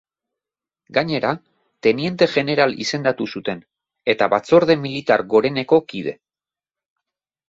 Gainera, teniente jeneral izendatu zuten, eta Batzorde Militar Goreneko kide.